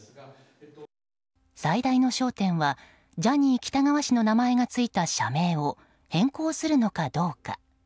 最大の焦点はジャニー喜多川氏の名前がついた社名を変更するのかどうか。